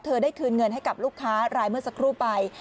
ได้คืนเงินให้กับลูกค้ารายเมื่อสักครู่ไป